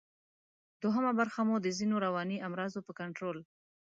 دوهمه برخه مو د ځینو رواني امراضو په کنټرول